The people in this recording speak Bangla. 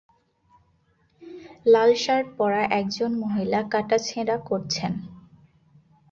লাল শার্ট পরা একজন মহিলা কাটাছেঁড়া করছেন।